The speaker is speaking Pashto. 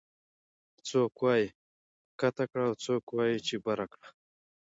څوک وايي کته کړه او څوک وايي چې بره کړه